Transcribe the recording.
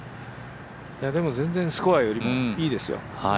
全然、スコアよりもいいですよ。